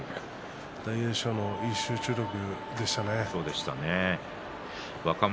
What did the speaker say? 大栄翔の集中力でしたね。